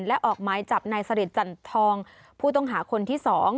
และออกหมายจับนายสริทจันทองผู้ต้องหาคนที่๒